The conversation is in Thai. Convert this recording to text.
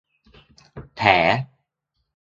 แถ